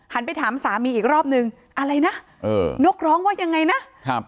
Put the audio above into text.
หันไปถามสามีอีกรอบหนึ่งอะไรนะนกร้องว่ายังไงนะ